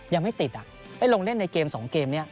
ยังไม่ติดอ่ะไปลงเล่นในเกมสองเกมนี้